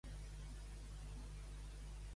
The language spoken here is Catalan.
I ell es considerava també poc parlador com en Temme?